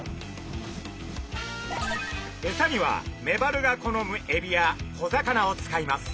エサにはメバルが好むエビや小魚を使います。